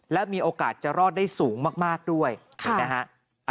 และมีโอกาสจะรอดได้สูงมากด้วยนะฮะ